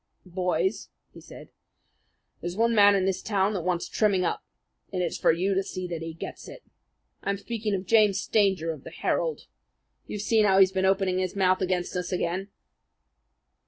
"Boys," said he, "there's one man in this town that wants trimming up, and it's for you to see that he gets it. I'm speaking of James Stanger of the Herald. You've seen how he's been opening his mouth against us again?"